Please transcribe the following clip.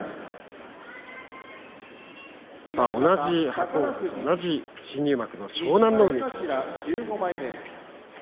伯桜鵬と同じ新入幕の湘南乃海です。